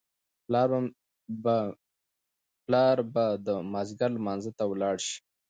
پلار به د مازیګر لمانځه ته ولاړ شي.